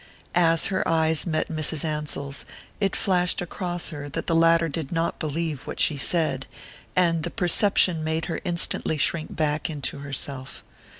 As her eyes met Mrs. Ansell's it flashed across her that the latter did not believe what she said, and the perception made her instantly shrink back into herself.